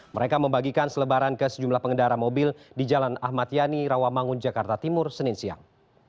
mereka membagikan selebaran ke sejumlah pengendara mobil di jalan ahmad yani rawamangun jakarta timur senin siang